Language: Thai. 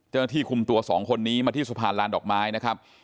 เจ้าหน้าที่คุมตัวสองคนนี้มาที่สะพานลานดอกไม้นะครับ